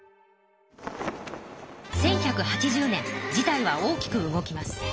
１１８０年事態は大きく動きます。